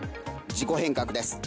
自己変革です。